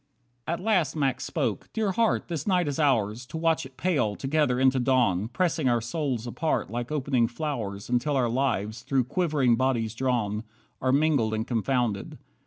43 At last Max spoke, "Dear Heart, this night is ours, To watch it pale, together, into dawn, Pressing our souls apart like opening flowers Until our lives, through quivering bodies drawn, Are mingled and confounded.